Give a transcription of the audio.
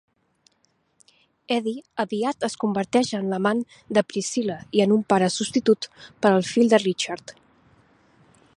Eddy aviat es converteix en l'amant de Priscilla i en un pare substitut per al fill de Richard.